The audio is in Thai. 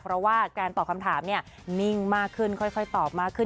เพราะว่าการตอบคำถามเนี่ยนิ่งมากขึ้นค่อยตอบมากขึ้น